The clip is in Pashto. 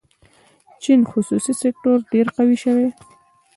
چین خصوصي سکتور ډېر قوي شوی.